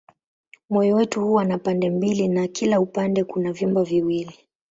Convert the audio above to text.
Moyo wetu huwa na pande mbili na kila upande kuna vyumba viwili.